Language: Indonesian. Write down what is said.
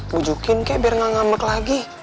wujudin kek biar gak ngambek lagi